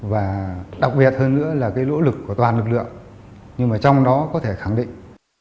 và đặc biệt hơn nữa là lỗ lực của toàn lực lượng nhưng trong đó có thể khẳng định